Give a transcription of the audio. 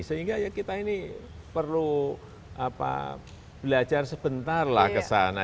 sehingga ya kita ini perlu belajar sebentar lah kesana